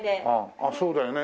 あっそうだよね。